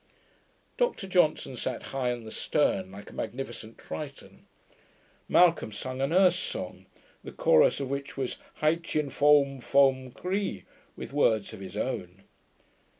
Dr Johnson sat high on the stern, like a magnificent Triton. Malcolm sung an Erse song, the chorus of which was 'Hatyin foam foam eri', with words of his own.